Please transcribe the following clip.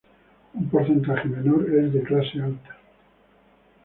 Un porcentaje menor es de clase alta.